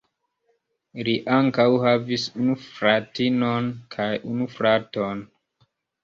Li ankaŭ havis unu fratinon kaj unu fraton.